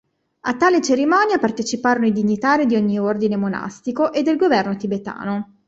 A tale cerimonia parteciparono i dignitari di ogni ordine monastico e del governo tibetano.